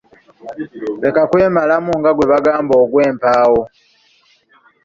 Leka kwemalamu nga gwe bagamba ogw'empaawo.